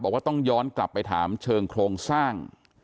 บอกว่าต้องย้อนกลับไปถามเชิงโครงสร้าง